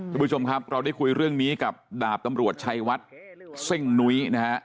คุณผู้ชมครับเราได้คุยเรื่องนี้กับดาบตำรวจชัยวัดเซ่งนุ้ยนะฮะ